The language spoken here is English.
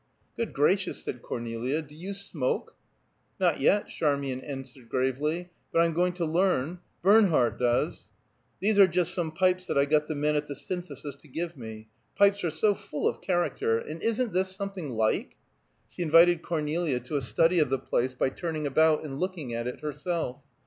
"Good gracious!" said Cornelia. "Do you smoke?" "Not yet," Charmian answered gravely, "but I'm going to learn: Bernhardt does. These are just some pipes that I got the men at the Synthesis to give me; pipes are so full of character. And isn't this something like?" She invited Cornelia to a study of the place by turning about and looking at it herself.